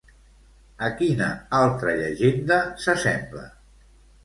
A quina altra llegenda s'assembla?